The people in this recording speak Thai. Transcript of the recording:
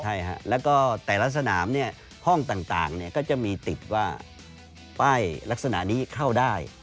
ใช่ฮะแล้วก็แต่ละสนามเนี่ยห้องต่างก็จะมีติดว่าป้ายลักษณะนี้เข้าได้